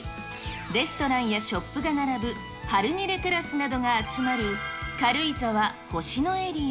レストランやショップが並ぶ、ハルニレテラスなどが集まる軽井沢星野エリア。